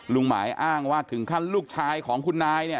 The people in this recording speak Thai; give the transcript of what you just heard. หมายอ้างว่าถึงขั้นลูกชายของคุณนายเนี่ย